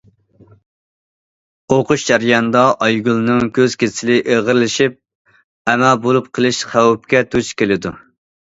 ئوقۇش جەريانىدا ئايگۈلنىڭ كۆز كېسىلى ئېغىرلىشىپ، ئەما بولۇپ قېلىش خەۋپىگە دۇچ كېلىدۇ.